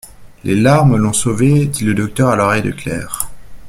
Les larmes l'ont sauvé, dit le docteur à l'oreille de Claire.